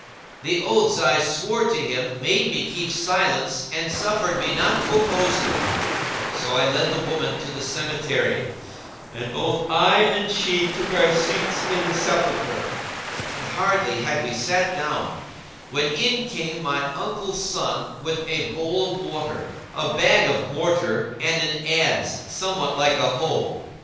The oaths I swore to him made me keep silence and suffered me not to oppose him; so I led the woman to the cemetery and both I and she took our seats in the sepulchre; and hardly had we sat down when in came my uncle's son, with a bowl of water, a bag of mortar and an adze somewhat like a hoe.